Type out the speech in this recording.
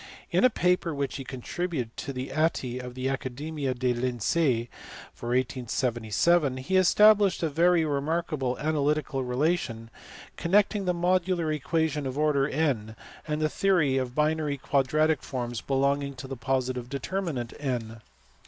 In a paper which he contributed to the Atti of the Accademia dei Lincei for 1877 he established a very remarkable analytical relation connecting the modular equation of order n and the theory of binary quadratic forms THE THEORY OF NUMBERS. 461 belonging to the positive determinant n.